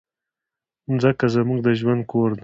مځکه زموږ د ژوند کور ده.